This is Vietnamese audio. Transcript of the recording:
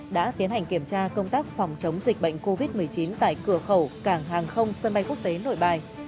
đã tiến hành kiểm tra công tác phòng chống dịch bệnh covid một mươi chín tại cửa khẩu cảng hàng không sân bay quốc tế nội bài